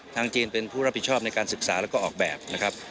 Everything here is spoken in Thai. จีนเป็นผู้รับผิดชอบในการศึกษาแล้วก็ออกแบบนะครับ